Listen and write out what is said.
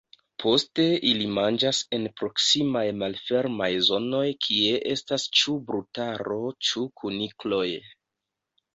Poste ili manĝas en proksimaj malfermaj zonoj kie estas ĉu brutaro ĉu kunikloj.